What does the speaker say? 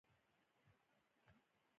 تعلیم نجونو ته د بحث کولو اصول ور زده کوي.